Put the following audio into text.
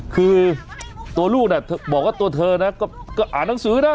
คือตัวลูกเธอบอกว่าตัวเธอนะก็อ่านหนังสือนะ